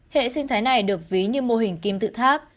hệ sinh thái này được ví như mô hình kim tự tháp